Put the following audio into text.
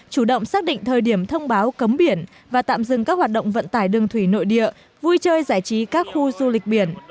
chủ động xác định thời điểm thông báo cấm biển và tạm dừng các hoạt động vận tải đường thủy nội địa vui chơi giải trí các khu du lịch biển